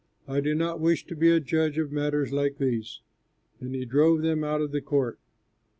I do not wish to be a judge of matters like these." And he drove them out of the court.